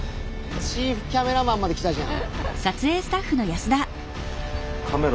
チーフキャメラマンまで来たじゃん。